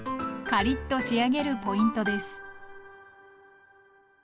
カリッと仕上げるポイントです。